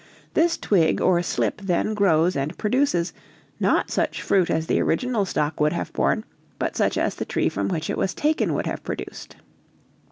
This twig or slip then grows and produces, not such fruit as the original stock would have borne, but such as the tree from which it was taken would have produced.